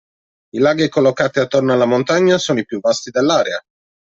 I laghi collocati attorno alla montagna sono i più vasti dell'area.